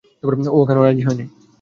ও এখনও রাজি হয়নি।